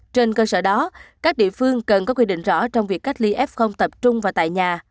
trên cơ sở đó các địa phương cần có quy định rõ trong việc cách ly f tập trung và tại nhà